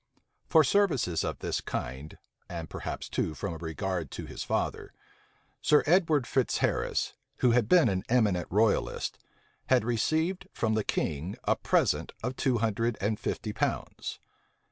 For services of this kind, and perhaps too from a regard to his father. Sil Edward Fitzharris, who had been an eminent royalist, he had received from the king a present of two hundred and fifty pounds.